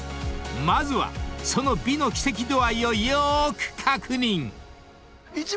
［まずはその美の奇跡度合いをよーく確認］